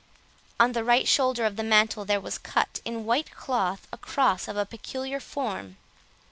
On the right shoulder of the mantle there was cut, in white cloth, a cross of a peculiar form.